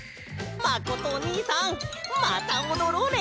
まことおにいさんまたおどろうね。